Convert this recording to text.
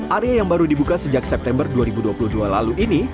area yang baru dibuka sejak september dua ribu dua puluh dua lalu ini